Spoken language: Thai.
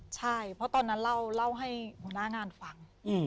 ใช่เพราะตอนนั้นเล่าให้หัวหน้างานฟัง